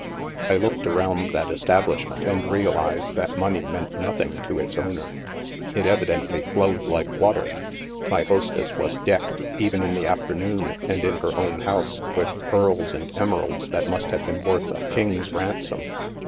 " I looked around that establishment and realized that money meant nothing to its owner. It evi dently flowed like water. My hostess was decked, even in the afternoon and in her own house, with pearls and emeralds that must have been worth a king's ransom.